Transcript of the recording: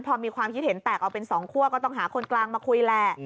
พอมีความคิดเห็นแตกออกเป็น๒คั่วก็ต้องหาคนกลางมาคุยแหละ